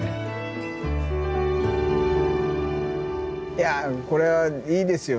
いやこれはいいですよね。